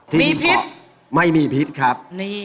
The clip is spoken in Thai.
มีพิษไม่มีพิษครับ